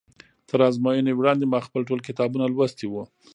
تر ازموینې وړاندې ما خپل ټول کتابونه لوستي وو.